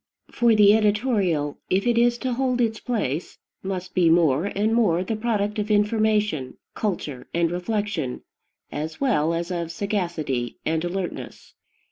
For the editorial, if it is to hold its place, must be more and more the product of information, culture, and reflection, as well as of sagacity and alertness.